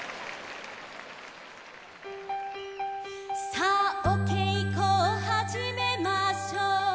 「さあおけいこをはじめましょう」